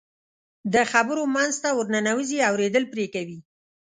د خبرو منځ ته ورننوځي، اورېدل پرې کوي.